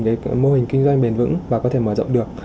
cái mô hình kinh doanh bền vững và có thể mở rộng được